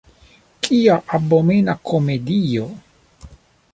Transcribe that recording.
Kia abomena komedio!